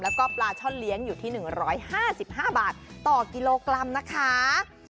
แล้วก็ปลาช่อนเลี้ยงอยู่ที่๑๕๕บาทต่อกิโลกรัมนะคะ